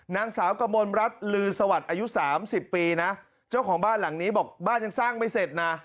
นางสาวกมลรัฐลือสวัสดิ์อายุสามสิบปีนะเจ้าของบ้านหลังนี้บอกบ้านยังสร้างไม่เสร็จนะ